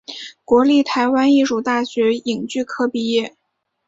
国立台湾艺术大学影剧科毕业。